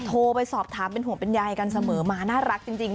โทรไปสอบถามเป็นห่วงเป็นใยกันเสมอมาน่ารักจริง